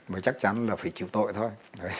mà chắc chắn là phải chịu tội thôi